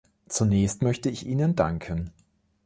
Zunächst möchte ich Ihnen danken.